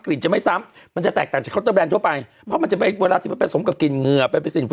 กลิ่นจะไม่ซ้ำมันจะแตกต่างจากทั่วไปเพราะมันจะเป็นเวลาที่มันผสมกับกลิ่นเงือ